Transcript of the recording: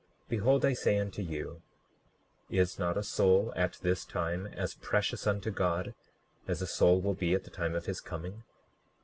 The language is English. Behold, I say unto you, is not a soul at this time as precious unto God as a soul will be at the time of his coming?